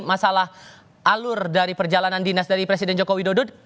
masalah alur dari perjalanan dinas dari presiden joko widodo